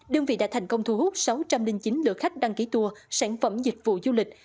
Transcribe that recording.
đơn vị đã thành công thu hút sáu trăm linh chín lượt khách đăng ký tour sản phẩm dịch vụ du lịch